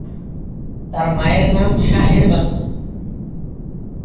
তার মায়ের নাম শাহের বানু।